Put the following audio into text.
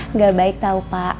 nggak baik tau pak